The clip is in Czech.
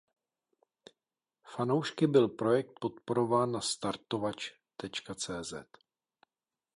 Fanoušky byl projekt podporován na Startovač.cz.